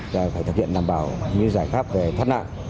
và phải thực hiện đảm bảo như giải pháp về thoát nạn